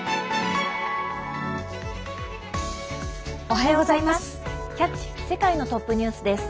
おはようございます。